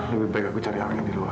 lebih baik aku cari angin di luar